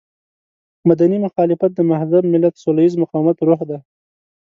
مدني مخالفت د مهذب ملت سوله ييز مقاومت روح دی.